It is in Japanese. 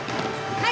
はい！